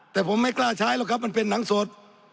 แต่ผมไม่กล้าใช้เลยครับมันเป็นน้ำสด